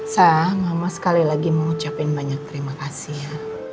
sah mama sekali lagi mengucapkan banyak terima kasih ya